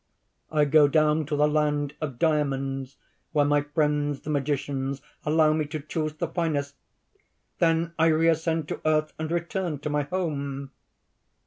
I go down to the land of diamonds, where my friends the magicians allow me to choose the finest: then I reascend to earth and return to my home."